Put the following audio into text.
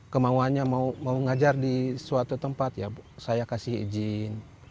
kemauannya mau ngajar di suatu tempat ya saya kasih izin